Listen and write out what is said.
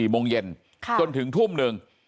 ๔โมงเย็นจนถึงทุ่มหนึ่ง